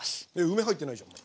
梅入ってないじゃん。